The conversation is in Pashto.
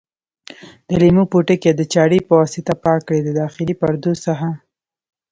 د لیمو پوټکي د چاړې په واسطه پاک کړئ د داخلي پردو څخه.